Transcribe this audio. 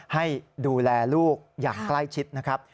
ให้ดูแลลูกอย่างใกล้ชิดนะครับ